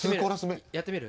やってみる？